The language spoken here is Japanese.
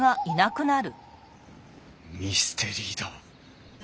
ミステリーだ。